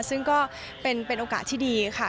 ซึ่งก็เป็นโอกาสที่ดีค่ะ